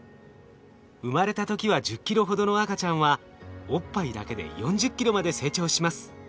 生まれた時は１０ｋｇほどの赤ちゃんはおっぱいだけで４０ｋｇまで成長します。